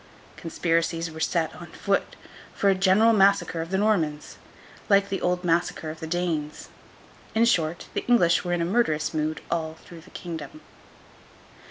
Conspiracies were set on foot for a general massacre of the Normans, like the old massacre of the Danes. In short, the English were in a murderous mood all through the kingdom.